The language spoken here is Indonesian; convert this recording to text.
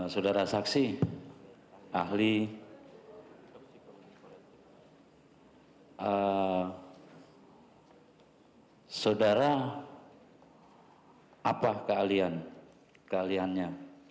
saudara saksi ahli saudara apa kealian kealiannya